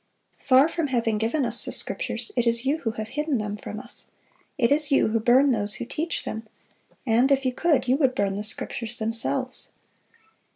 Far from having given us the Scriptures, it is you who have hidden them from us; it is you who burn those who teach them, and if you could, you would burn the Scriptures themselves."